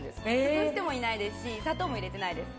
崩してもないですし砂糖も入れてないです。